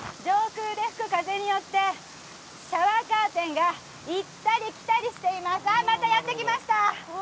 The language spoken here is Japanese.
上空で吹く風によってシャワーカーテンが行ったり来たりしていますあっまたやって来ました！